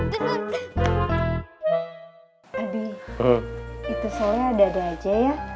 aduh itu soalnya ada ada aja ya